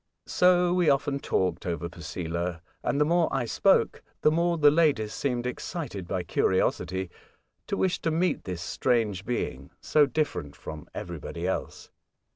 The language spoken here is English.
So we often talked over Posela, and the more I spoke the more the ladies seemed — excited by curiosity — to wish to meet this strange being, so different from everybody else.